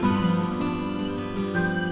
eh ini masih muak